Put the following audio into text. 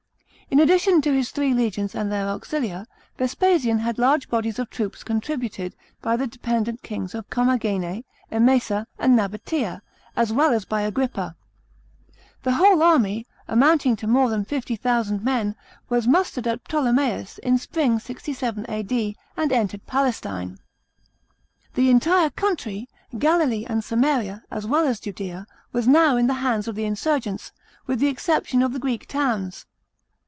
In addition to his three legions and their auxilia, Vespasian had large bodies of troops contributed by the dependent kings of Commagene, Emesa, and Nabatea, as wtll as by Agrippa. The whole army, amounting to more than 50,000 men, was mustered at Ptolemais in spring, 67 A.D., and entered Palestine. The entire country, Galilee and Samaria, as well as Judea, was now in the hands of the insurgents, with the exception of the Greek towns.